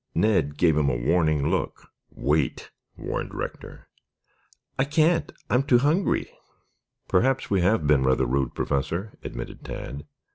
Ned gave him a warning look. "Wait!" warned Rector. "I can't. I'm too hungry." "Perhaps we have been rather rude, Professor," admitted Tad.